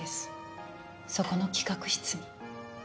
そこの企画室に。